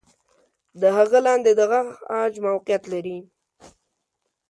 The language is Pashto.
د هغه لاندې د غاښ عاج موقعیت لري.